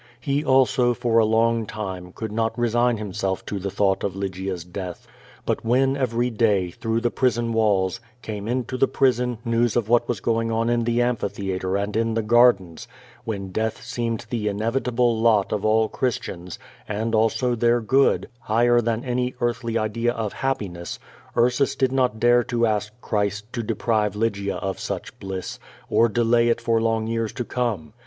He also, for a long time, could not resign him self to the thought of Lygia's death. But when every day, through the prison walls, came into the prison, news of what was going on in the amphitheatre and in the gardens, when death seejned the inevitable lot of all Christians, and also tlieir gcod, higher than any earthly idea of happiness;, Frsus did not dare to ask Christ to dejmve Lygia of such bliss, or delay it for hmg years to come.